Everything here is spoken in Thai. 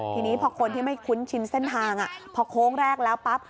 ทีนี้พอคนที่ไม่คุ้นชินเส้นทางพอโค้งแรกแล้วปั๊บ